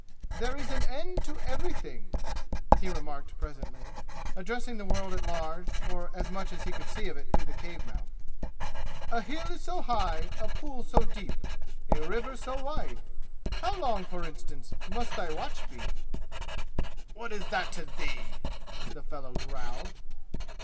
"There is an end to everything," he remarked presently, addressing the world at large, or as much as he could see of it through the cave mouth. "A hill is so high, a pool so deep, a river so wide. How long, for instance, must thy watch be?" "What is that to thee?" the fellow growled.